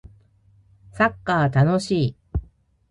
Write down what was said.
サッカー楽しい